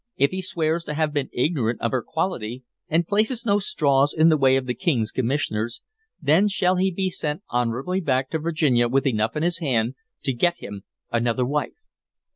If he swears to have been ignorant of her quality, and places no straws in the way of the King's Commissioners, then shall he be sent honorably back to Virginia with enough in his hand to get him another wife.